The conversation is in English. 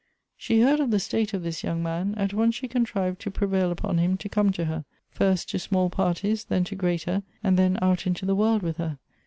She heard of the state of this young man. At once she contrived'to prevail upon him to come to her, first to small parties, then to greater, and then out into the world with her.